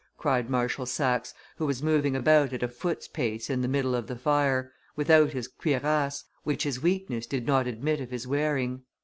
cried Marshal Saxe, who was moving about at a foot's pace in the middle of the fire, without his cuirass, which his weakness did not admit of his wearing.